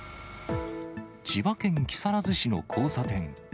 千葉県木更津市の交差点。